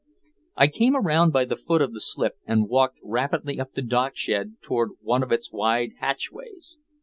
I came around by the foot of the slip and walked rapidly up the dockshed toward one of its wide hatchways.